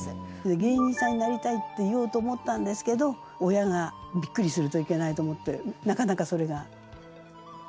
芸人さんになりたいって言おうと思ったんですけど親がビックリするといけないと思ってなかなかそれができなかったと。